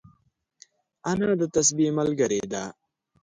انا د تسبيح ملګرې ده